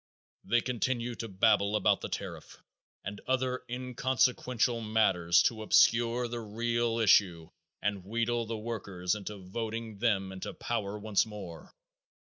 They continue to babble about the tariff and other inconsequential matters to obscure the real issue and wheedle the workers into voting them into power once more.